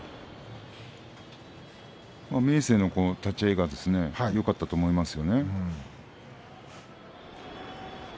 明生の立ち合いがよかったと思います。